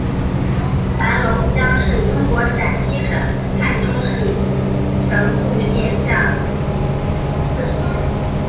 盘龙乡是中国陕西省汉中市城固县下辖的一个乡。